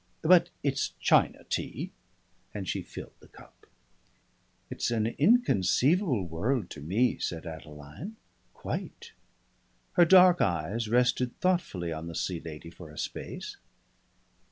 "But it's China tea." And she filled the cup. "It's an inconceivable world to me," said Adeline. "Quite." Her dark eyes rested thoughtfully on the Sea Lady for a space.